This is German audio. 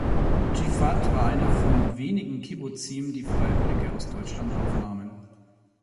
Jif’at war einer von wenigen Kibbuzim, die Freiwillige aus Deutschland aufnahmen.